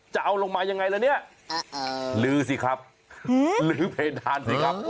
จะเอาลงมายังไงละเนี่ยลื้อสิครับลื้อเพดานสิครับ